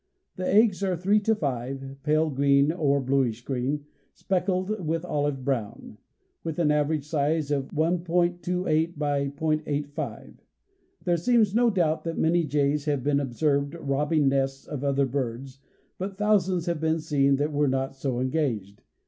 The eggs are three to five, pale green or bluish green, speckled with olive brown, with an average size of 1.28×.85. There seems no doubt that many jays have been observed robbing nests of other birds, but thousands have been seen that were not so engaged.